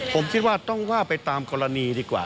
ผมคิดว่าต้องว่าไปตามกรณีดีกว่า